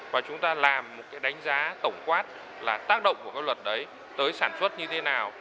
và chúng ta làm một cái đánh giá tổng quát là tác động của các luật đấy tới sản xuất như thế nào